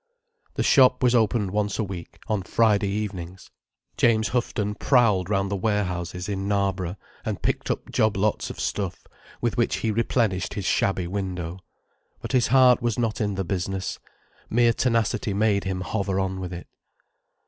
The shop was opened once a week, on Friday evenings. James Houghton prowled round the warehouses in Knarborough and picked up job lots of stuff, with which he replenished his shabby window. But his heart was not in the business. Mere tenacity made him hover on with it.